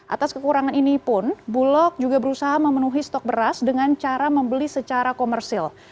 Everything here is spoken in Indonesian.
atas kekurangan ini pun bulog juga berusaha memenuhi stok beras dengan cara membeli secara komersil